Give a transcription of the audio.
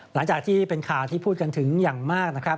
หลังจากที่เป็นข่าวที่พูดกันถึงอย่างมากนะครับ